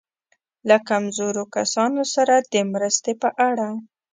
له کمزورو کسانو سره د مرستې په اړه.